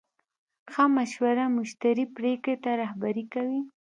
ښه مشوره مشتری پرېکړې ته رهبري کوي.